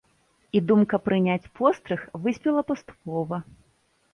І думка прыняць пострыг выспела паступова.